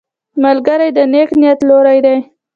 ملګری د نیک نیت لور دی